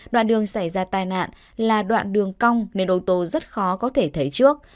đoạn đường xảy ra tai nạn là đoạn đường cong nên ô tô rất khó có thể thấy trước